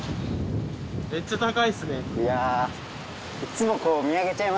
めっちゃ高いっすね。